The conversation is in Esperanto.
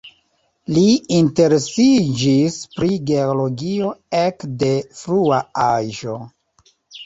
Li interesiĝis pri geologio ek de frua aĝo.